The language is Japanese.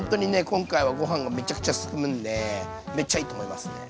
今回はご飯がめちゃくちゃすすむんでめっちゃいいと思いますね。